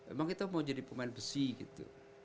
emang kita mau jadi pemain besi gitu